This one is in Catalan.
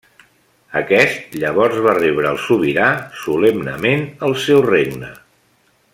Aquest llavors va rebre al sobirà solemnement al seu regne.